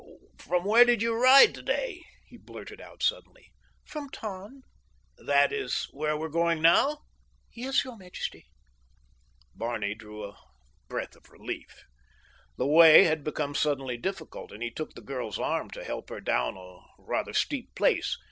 "From where did you ride today?" he blurted out suddenly. "From Tann." "That is where we are going now?" "Yes, your majesty." Barney drew a breath of relief. The way had become suddenly difficult and he took the girl's arm to help her down a rather steep place.